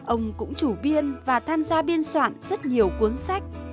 ông cũng chủ biên và tham gia biên soạn rất nhiều cuốn sách